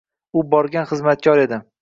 U borgan xizmatkor edi.